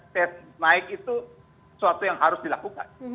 tes naik itu suatu yang harus dilakukan